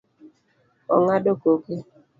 Ong'ado koke